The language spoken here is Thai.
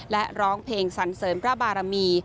และร้องเพลงสันเสริมพระบารมี